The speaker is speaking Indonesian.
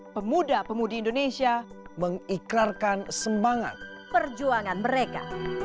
pemuda pemudi indonesia mengikrarkan semangat perjuangan mereka